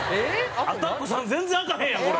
「アタック３」全然開かへんやんこれ。